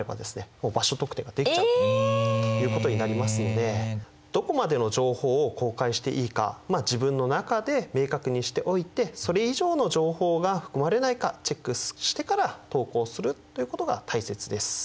もう場所特定ができちゃうということになりますのでどこまでの情報を公開していいか自分の中で明確にしておいてそれ以上の情報が含まれないかチェックしてから投稿するということが大切です。